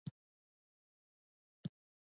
دا آله د غږ د لوړېدو لپاره کاروي.